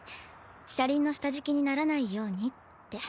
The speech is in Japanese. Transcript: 車輪の下敷きにならないように」って。